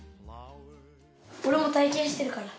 俺も体験してるから。